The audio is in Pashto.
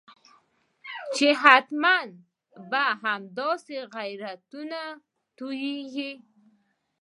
چې حتمي به همداسې غیرتونه توږي.